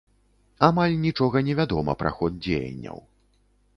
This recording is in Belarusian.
Амаль нічога не вядома пра ход дзеянняў.